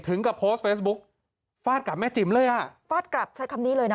กับโพสต์เฟซบุ๊กฟาดกลับแม่จิ๋มเลยอ่ะฟาดกลับใช้คำนี้เลยนะ